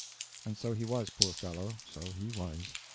And so he was, poor fellow, so he was.